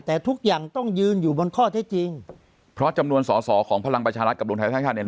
แต่ทุกอย่างต้องยืนอยู่บนข้อที่จริงเพราะจำนวนส่อส่อของพลังประชารัฐกับลงท้ายท่านเนี้ย